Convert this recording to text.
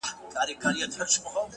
پرمختګ د زړو عادتونو ماتول غواړي’